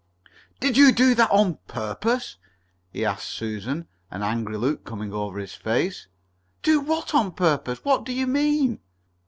"Did you do that on purpose?" he asked Susan, an angry look coming over his face. "Do what on purpose? What do you mean?"